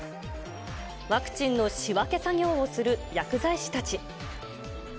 ワクチンの仕分け作業をする薬剤師たち。